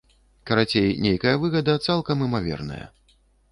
Карацей, нейкая выгада цалкам імаверная.